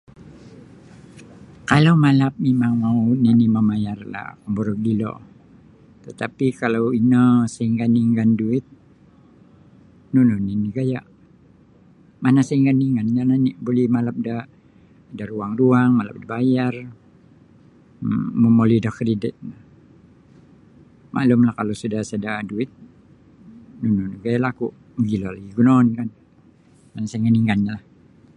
Kalau malap mimang mau nini mamaliara da buru dilo tatapi kalau ino sainggan-inggan duit nunu nini gaya mana sainggan-inggan oni buli malap daruang-ruang malap da bayar momoli da kredit no maalumlah kalau sada duit nunu gaya lagi laku' mogilo lagi gunoon kan mana sainggan-ingganlah.